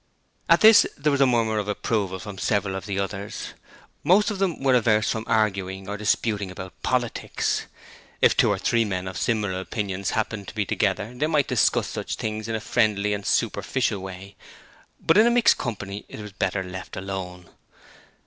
At this there was a murmur of approval from several of the others. Most of them were averse from arguing or disputing about politics. If two or three men of similar opinions happened to be together they might discuss such things in a friendly and superficial way, but in a mixed company it was better left alone.